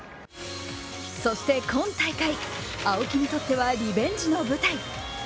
そして今大会、青木にとってはリベンジの舞台。